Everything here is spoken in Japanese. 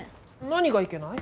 何がいけない？